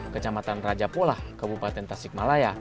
kecamatan raja polah kabupaten tasik malaya